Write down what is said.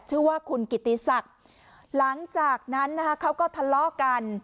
ชื่อว่าคุณกิติศักดิ์หลังจากนั้นนะคะเขาก็ทะเลาะกัน